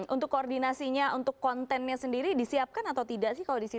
untuk koordinasinya untuk kontennya sendiri disiapkan atau tidak sih kalau di situ